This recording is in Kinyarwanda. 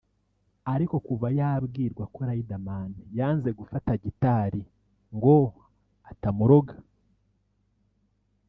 ariko kuva yabwirwa ko Riderman yanze gufata gitari ngo atamuroga